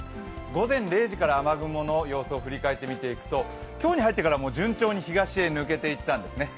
午前０時から雨雲の様子を振り返っていくと今日に入ってから順調に東へ抜けていったんですね。